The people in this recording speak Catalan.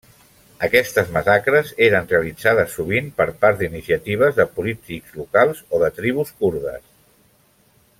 Aquestes massacres eren realitzades, sovint, per part d'iniciatives de polítics locals o de tribus kurdes.